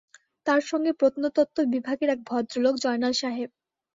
তাঁর সঙ্গে প্রত্নতও্ব বিভাগের এক ভদ্রলোক, জয়নাল সাহেব।